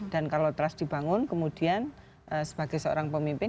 dan kalau trust dibangun kemudian sebagai seorang pemimpin